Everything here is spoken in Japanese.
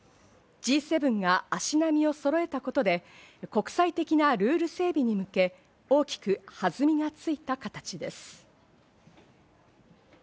Ｇ７が足並みをそろえたことで、国際的なルール整備に向け、大きく弾みがついた形です。